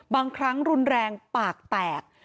บางครั้งรุนแรงปากแตก